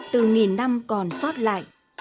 từ nghìn năm còn sót lại